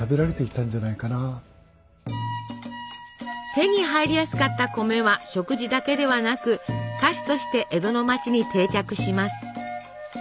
手に入りやすかった米は食事だけではなく菓子として江戸の町に定着します。